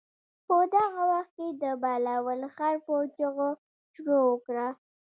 په دغه وخت کې د بهلول خر په چغو شروع وکړه.